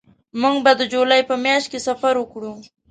موږ به د جولای په میاشت کې سفر وکړو